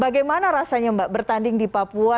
bagaimana rasanya mbak bertanding di papua